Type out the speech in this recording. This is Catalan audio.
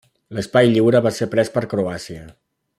L'espai lliure va ser pres per Croàcia.